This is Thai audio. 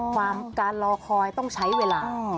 การรอคอยต้องใช้เวลา